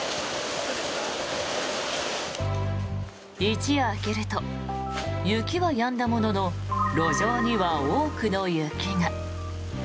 一夜明けると雪はやんだものの路上には多くの雪が。